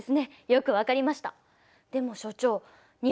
よく分かりました。